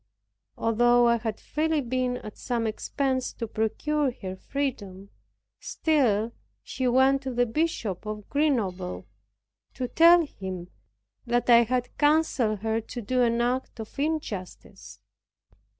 Although I had freely been at some expense to procure her freedom, still she went to the Bishop of Grenoble, to tell him that I had counseled her to do an act of injustice.